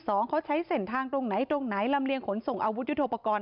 สองเขาใช้เส้นทางตรงไหนตรงไหนลำเลียงขนส่งอาวุธยุทธโปรกรณ์